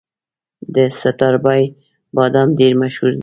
د ستاربای بادام ډیر مشهور دي.